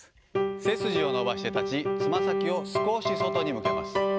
背筋を伸ばして立ち、つま先を少し外に向けます。